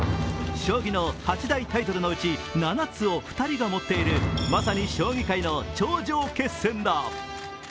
将棋の八大タイトルのうち７つを２人が持っているまさに将棋界の頂上決戦だ。